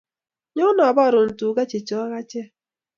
Nyo aborun tuga checho achek